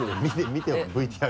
見てＶＴＲ。